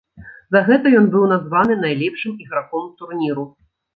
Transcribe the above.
За гэта ён быў названы найлепшым іграком турніру.